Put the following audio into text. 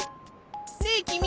ねえきみ！